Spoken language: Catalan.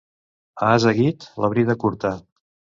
A ase guit, la brida curta.